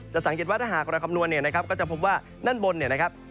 สังเกตว่าถ้าหากเราคำนวณเนี่ยนะครับก็จะพบว่าด้านบนเนี่ยนะครับ